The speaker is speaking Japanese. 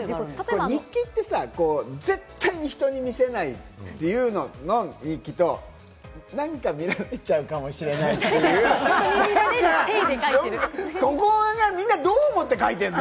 日記ってさぁ、絶対に人に見せないっていう日記と、何か見られちゃうかもしれないっていう、みんな、どう思って書いてるの？